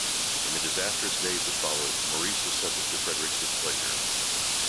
In the disastrous days that followed, Maurice was subject to Frederick's displeasure.